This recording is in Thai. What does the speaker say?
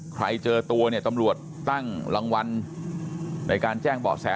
เจอตัวเนี่ยตำรวจตั้งรางวัลในการแจ้งเบาะแส